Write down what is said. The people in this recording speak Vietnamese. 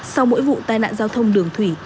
sau mỗi vụ tai nạn giao thông đường thủy